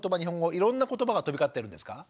いろんな言葉が飛び交ってるんですか？